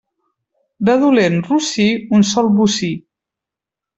De dolent rossí, un sol bocí.